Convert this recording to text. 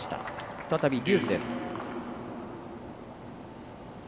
再びデュースです。